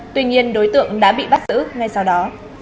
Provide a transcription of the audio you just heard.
tuy nhiên đối tượng đã bị bắt giữ ngay sau đó